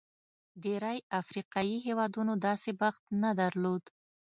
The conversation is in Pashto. ډېری افریقايي هېوادونو داسې بخت نه درلود.